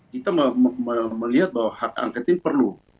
kita melihat bahwa hak angket ini perlu